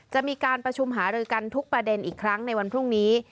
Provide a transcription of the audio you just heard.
จะมีการประชุมหารือกันทุกประเด็นอีกครั้งในวันพรุ่งนี้